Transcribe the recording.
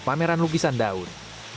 pameran lukisan daun